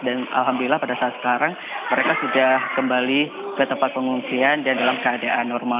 dan alhamdulillah pada saat sekarang mereka sudah kembali ke tempat pengungsian dan dalam keadaan normal